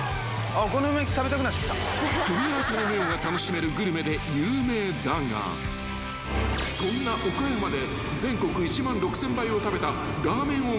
［組み合わせの妙が楽しめるグルメで有名だがそんな岡山で］